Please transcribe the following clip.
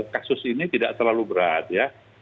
kasus ini tidak terlalu berat ya